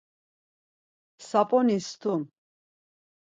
Sap̌oni stun.